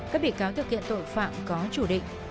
các bị cáo thực hiện tội phạm có chủ định